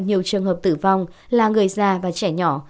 nhiều trường hợp tử vong là người già và trẻ nhỏ